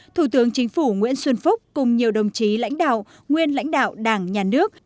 thủ tướng chính phủ nguyễn xuân phúc cùng nhiều đồng chí lãnh đạo nguyên lãnh đạo đảng nhà nước